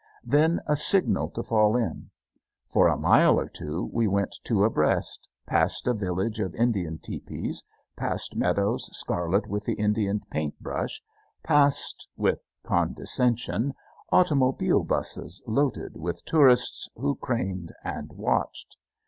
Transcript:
Then a signal to fall in. For a mile or two we went two abreast, past a village of Indian tepees, past meadows scarlet with the Indian paintbrush, past with condescension automobile busses loaded with tourists who craned and watched.